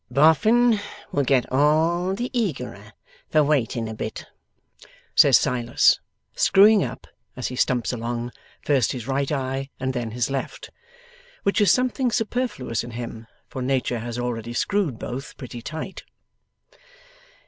'Boffin will get all the eagerer for waiting a bit,' says Silas, screwing up, as he stumps along, first his right eye, and then his left. Which is something superfluous in him, for Nature has already screwed both pretty tight.